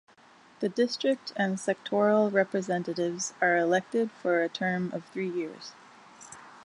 The district and sectoral representatives are elected for a term of three years.